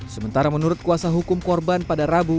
sementara menurut kuasa hukum korban pada rabu